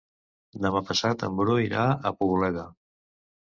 Demà passat en Bru irà a Poboleda.